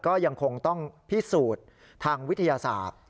ก็ยังคงต้องพิสูจน์ทางวิทยาศาสตร์